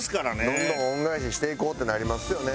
どんどん恩返ししていこうってなりますよね。